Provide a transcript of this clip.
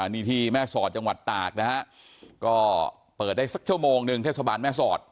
นี่ที่แม่สอดจังหวัดตากนะฮะก็เปิดได้สักชั่วโมงหนึ่งเทศบาลแม่สอด